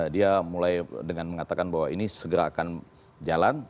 dia mulai dengan mengatakan bahwa ini segera akan jalan